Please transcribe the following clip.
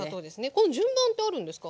この順番ってあるんですか？